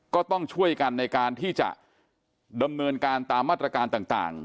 ก็ต้องช่วยกันในการที่จะดำเนินการตามมาตรการต่าง